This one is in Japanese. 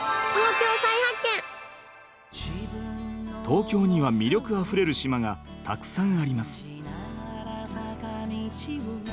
東京には魅力あふれる島がたくさんあります。